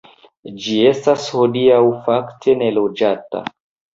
Ĝi estas hodiaŭ fakte neloĝata.